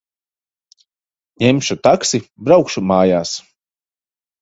Ņemšu taksi. Braukšu mājās.